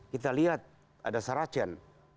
kita lihat ada saracen